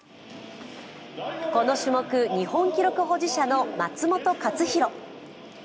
この種目、日本記録保持者の松元克央。